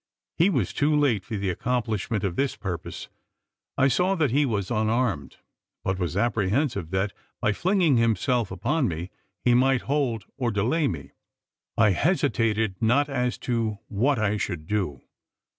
He was too late for the accomplishment of his purpose. I saw that he was unarmed; but was apprehensive that by flinging himself upon me, he might hold or delay me. I hesitated not as to what I should do.